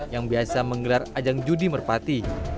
yang biasa menggelar ajang judi merpati